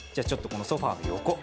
ソファーの横。